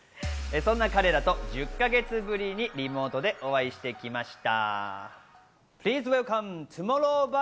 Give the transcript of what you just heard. そんな彼らと１０か月ぶりにリモートでお会いしてきました。